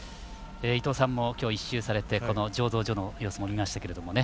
伊東さんも今日１周されてこの醸造所の様子も見ましたよね。